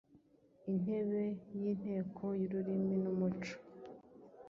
Intebe y’Inteko y’ururimi n’umuco,